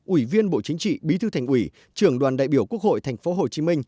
ủy viên bộ chính trị bí thư thành ủy trưởng đoàn đại biểu quốc hội tp hcm